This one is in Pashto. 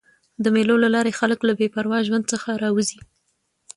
د مېلو له لاري خلک له بې پروا ژوند څخه راوځي.